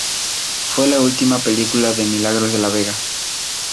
Fue la última película de Milagros de la Vega.